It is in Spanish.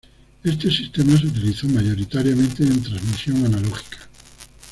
Este sistema se utilizó mayoritariamente en transmisión analógica.